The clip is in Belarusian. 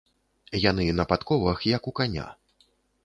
Яны на падковах, як у каня.